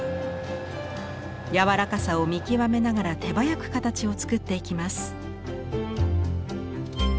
軟らかさを見極めながら手早く形を作っていきます。